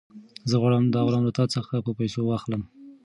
زه غواړم دا غلام له تا څخه په پیسو واخیستم.